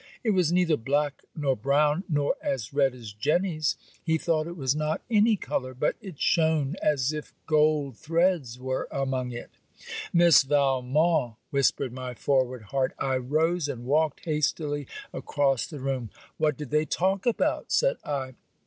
It was neither black, nor brown, nor as red as Jenny's; he thought it was not any colour, but it shone as if gold threads were among it. Miss Valmont: whispered my forward heart. I rose and walked hastily across the room. 'What did they talk about?' said I.